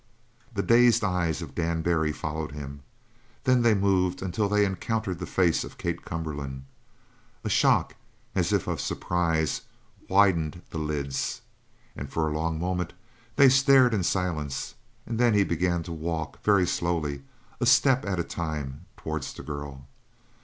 The dazed eyes of Dan Barry followed him. Then they moved until they encountered the face of Kate Cumberland. A shock, as if of surprise, widened the lids. For a long moment they stared in silence, and then he began to walk, very slowly, a step at a time, towards the girl.